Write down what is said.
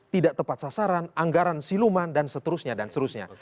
tidak tepat sasaran anggaran siluman dan seterusnya dan seterusnya